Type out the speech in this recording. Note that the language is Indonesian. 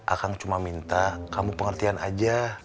akang cuma minta kamu pengertian aja